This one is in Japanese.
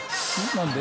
何で？